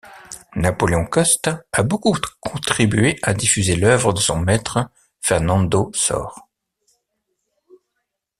Napoléon Coste a beaucoup contribué à diffuser l'œuvre de son maître Fernando Sor.